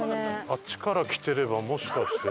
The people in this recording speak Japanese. あっちから来てればもしかして。